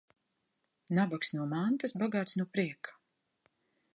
Nabags no mantas, bagāts no prieka.